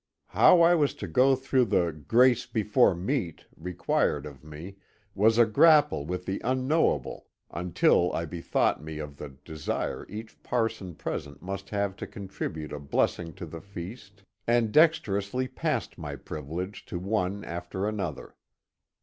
How I was to go through the * grace be fore meat ' required of me was a grapple with the unknowable until I bethought me of the desire each parson present must have to contribute a blessing to the feast, and dexterously passed my privilege to one after another.